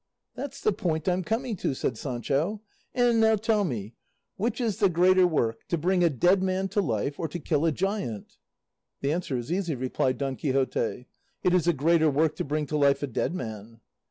"That's the point I'm coming to," said Sancho; "and now tell me, which is the greater work, to bring a dead man to life or to kill a giant?" "The answer is easy," replied Don Quixote; "it is a greater work to bring to life a dead man."